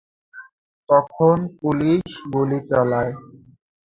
তখন পুলিস গুলি চালায়।